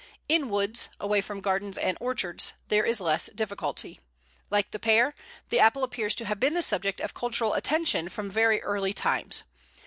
In woods, away from gardens and orchards, there is less difficulty. Like the Pear, the Apple appears to have been the subject of cultural attention from very early times.